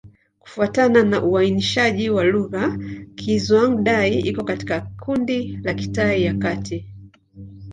Kufuatana na uainishaji wa lugha, Kizhuang-Dai iko katika kundi la Kitai ya Kati.